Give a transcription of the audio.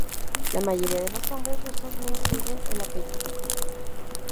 La mayoría de los nombres rusos no incluyen el apellido.